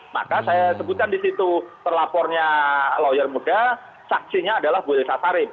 maka saya sebutkan di situ terlapornya lawyer muda saksinya adalah bu elsa sarip